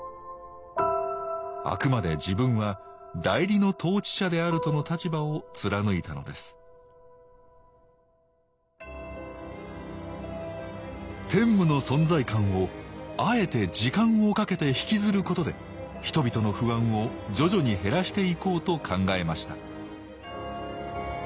あくまで自分は代理の統治者であるとの立場を貫いたのです天武の存在感をあえて時間をかけてひきずることで人々の不安を徐々に減らしていこうと考えました